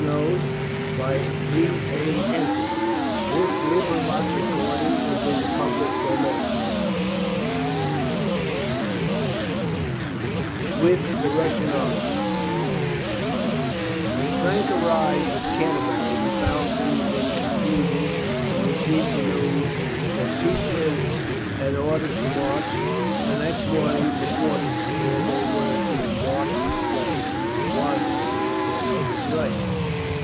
We did not expect a pleasure excursion when we started." CHAPTER XI WITH THE RUSSIAN ARMY When Frank arrived at Canterbury he found things in confusion, and received the news that two troops had orders to march the next morning for Portsmouth, where they were to embark for Spain. "Why, the major said he would write!"